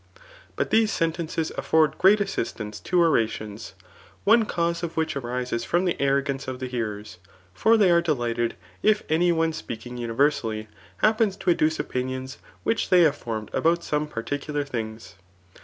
But these sentences afford great assistance to orations, one cause of which arises from the arrogance of the hearers ; for they are delighted if any one speaking uni versally, happens to adduce opinions which they have formed about some particular things.